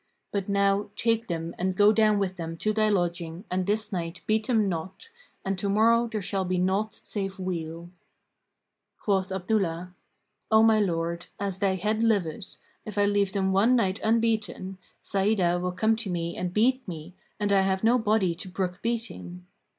But now take them and go down with them to thy lodging and this night beat them not, and to morrow there shall be naught save weal." Quoth Abdullah, "O my lord, as thy head liveth, if I leave them one night unbeaten, Sa'idah will come to me and beat me, and I have no body to brook beating."